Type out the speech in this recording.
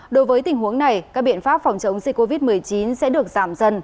đối với tình huống này các biện pháp phòng chống dịch covid một mươi chín sẽ được giảm dần